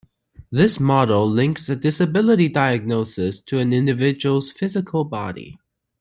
This model links a disability diagnosis to an individual's physical body.